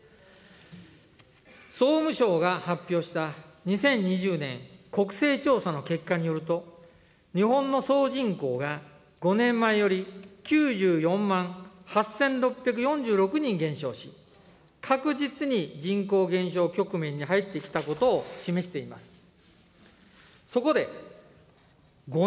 総務省が発表した、２０２０年国勢調査の結果によると、日本の総人口が５年前より９４万８６４６人減少し、確実に人口減少局面に入ってきたことを示しています。